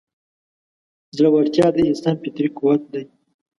زړهورتیا د انسان فطري قوت دی.